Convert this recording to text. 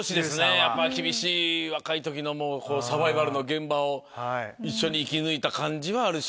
やっぱり厳しい若い時のサバイバルの現場を一緒に生き抜いた感じはあるし。